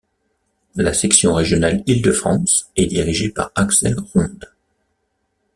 La section Régionale Île de France est dirigé par Axel Ronde.